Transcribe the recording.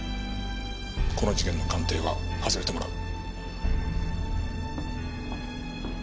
この事件の鑑定は外れてもらう。